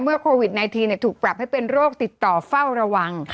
โควิด๑๙ถูกปรับให้เป็นโรคติดต่อเฝ้าระวัง